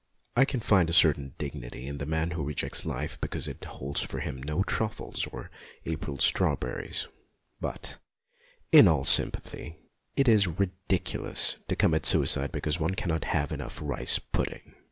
I can find a certain dignity in the man who rejects life because it holds for him no truffles or April straw berries ; but, in all sympathy, it is ridiculous to commit suicide because one cannot have enough rice pudding.